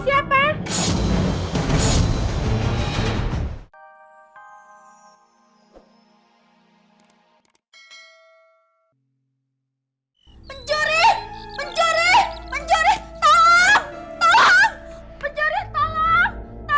saya habis ngantri anak sekolah saya